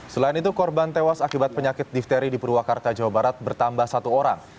selain itu korban tewas akibat penyakit difteri di purwakarta jawa barat bertambah satu orang